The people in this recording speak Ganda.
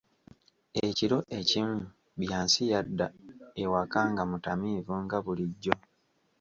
Ekiro ekimu, Byansi yadda ewaka nga mutamiivu nga bulijjo.